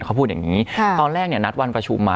เขาพูดอย่างนี้ตอนแรกเนี่ยนัดวันประชุมมา